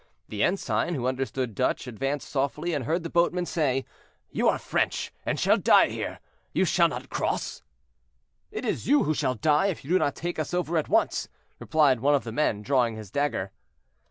The ensign, who understood Dutch, advanced softly, and heard the boatman say, "You are French, and shall die here; you shall not cross." "It is you who shall die, if you do not take us over at once," replied one of the men, drawing his dagger.